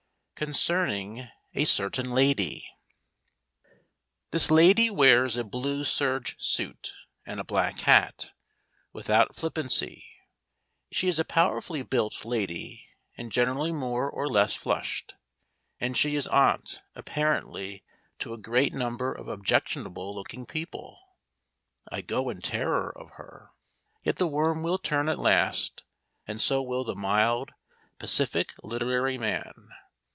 CONCERNING A CERTAIN LADY This lady wears a blue serge suit and a black hat, without flippancy; she is a powerfully built lady and generally more or less flushed, and she is aunt, apparently, to a great number of objectionable looking people. I go in terror of her. Yet the worm will turn at last, and so will the mild, pacific literary man.